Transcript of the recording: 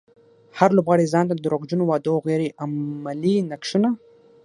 هر لوبغاړی ځانته د دروغجنو وعدو او غير عملي نقشونه.